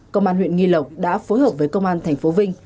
công an huyện nghi lộc đã phối hợp với công an thành phố vinh